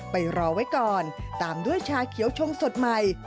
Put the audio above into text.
ไปรอไว้ก่อนตามด้วยชาเขียวชงสดใหม่